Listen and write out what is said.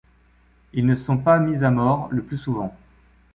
Ils ne sont pas mis à mort le plus souvent.